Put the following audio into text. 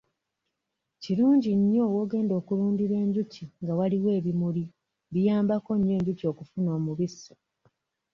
Kirungi nnyo w'ogenda okulundira enjuki nga waliwo ebimuli biyamabako nnyo enjuki okufuna omubisi.